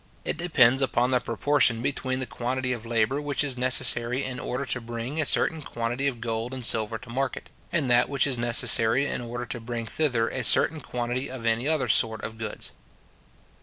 It depends upon the proportion between the quantity of labour which is necessary in order to bring a certain quantity of gold and silver to market, and that which is necessary in order to bring thither a certain quantity of any other sort of goods.